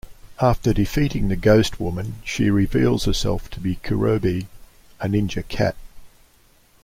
After defeating the Ghost Woman, she reveals herself to be Kurobei, a ninja cat.